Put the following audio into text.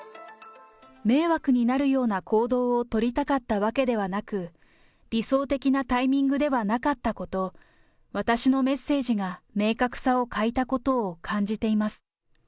迷惑になるような行動を取りたかったわけではなく、理想的なタイミングではなかったこと、私のメッセージが明確さを欠いたことを感じています。